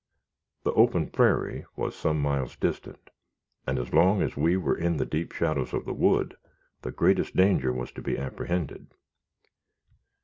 The open prairie was some miles distant, and as long as we were in the deep shadows of the wood, the greatest danger was to be apprehended.